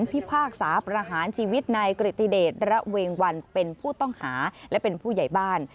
พิพากษาประหารชีวิตนายกริติเดชระเวงวันเป็นผู้ต้องหาและเป็นผู้ใหญ่บ้าน